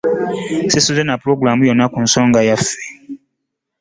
Ssisuze na pulogulaamu yonna ku nsonga yaffe.